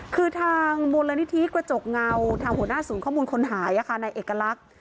คือทางมูลนิธิกระจกเงาทางหัวหน้าศูนย์ข้อมูลคนหายในเอกลักษณ์